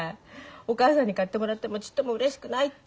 お母さんに買ってもらってもちっともうれしくないって。